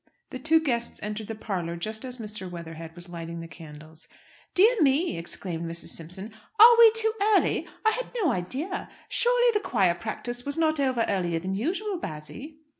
The two guests entered the parlour just as Mr. Weatherhead was lighting the candles. "Dear me," exclaimed Mrs. Simpson, "are we too early? I had no idea! Surely the choir practice was not over earlier than usual, Bassy?"